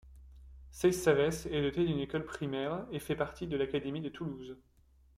Seysses-Savès est dotée d'une école primaire et fait partie de l'académie de Toulouse.